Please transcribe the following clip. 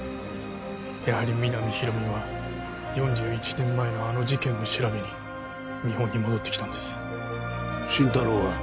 やはり皆実広見は４１年前のあの事件を調べに日本に戻ってきたんです心太朗は？